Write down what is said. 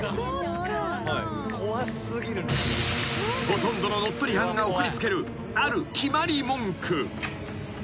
［ほとんどの乗っ取り犯が送りつけるある決まり文句］